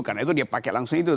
karena itu dia pakai langsung itu